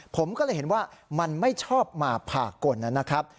ผมก็เลยเห็นว่ามันไม่ชอบมาผ่ากลนะครับ